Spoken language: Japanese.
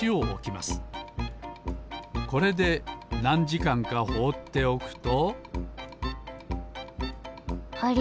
これでなんじかんかほうっておくとあれ？